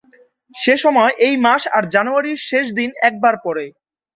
সেসময় এই মাস আর জানুয়ারির শেষ দিন এক বার পড়ে।